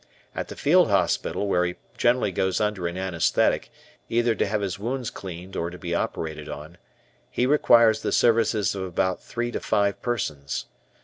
At the field hospital, where he generally goes under an anaesthetic, either to have his wounds cleaned or to be operated on, he requires the services of about three to five persons.